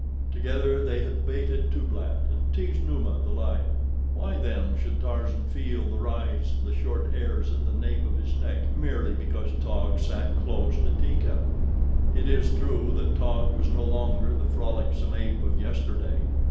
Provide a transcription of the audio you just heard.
Together they had baited Tublat and teased Numa, the lion. Why, then, should Tarzan feel the rise of the short hairs at the nape of his neck merely because Taug sat close to Teeka? It is true that Taug was no longer the frolicsome ape of yesterday.